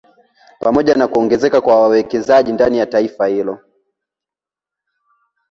Pamoja na kuongezeka kwa wawekezaji ndani ya taifa hilo